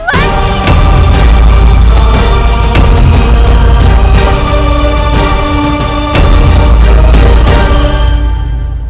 saya saya tidak mau